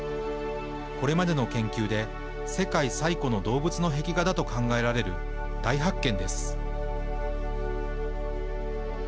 これまでの研究で世界最古の動物画であると考えられる大発見です。